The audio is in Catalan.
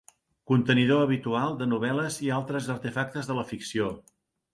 Contenidor habitual de novel·les i altres artefactes de la ficció.